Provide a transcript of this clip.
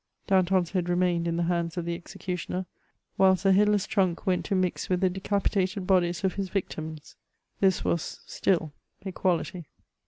Danton's heaul remained in the hands of the ezecutioni^, whilst the headless tnxnik went to mix with the decapitated bodies o£ his victims ; this was, still, equality.